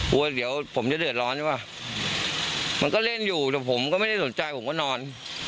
กลัวเดี๋ยวผมจะเดือดร้อนใช่ป่ะมันก็เล่นอยู่แต่ผมก็ไม่ได้สนใจผมก็นอน